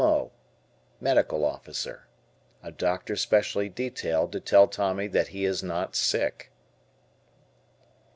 M.O. Medical Officer. A doctor specially detailed to tell Tommy that he is not sick.